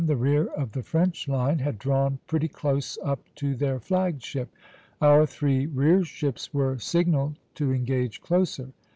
the rear of the French line had drawn pretty close up to their flag ship. Our three rear ships were signalled to engage closer.